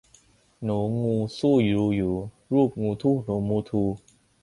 หนูงูสู้ดูอยู่ รูปงูทู่หนูมูทู